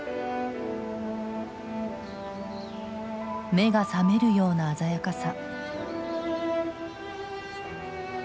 目が覚めるような鮮やかさ。